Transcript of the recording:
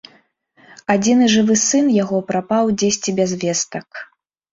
Адзіны жывы сын яго прапаў дзесьці без вестак!